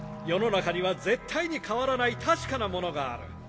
世の中には絶対に変わらない確かなものがある。